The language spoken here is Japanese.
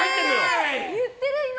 言ってる、今！